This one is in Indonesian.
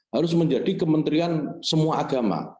harus menjadi kementerian semua agama